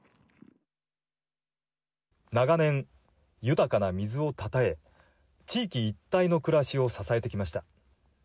長年、豊かな水をたたえ地域一帯の暮らしを支えてきました。